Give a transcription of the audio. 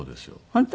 本当？